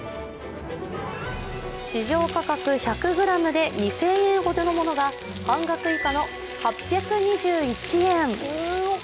市場価格、１００ｇで２０００円ほどのものが半額以下の８２１円。